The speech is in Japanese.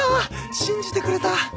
信じてくれた！